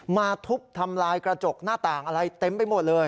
มาทุบทำลายกระจกหน้าต่างอะไรเต็มไปหมดเลย